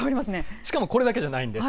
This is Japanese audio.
しかもこれだけじゃないんです。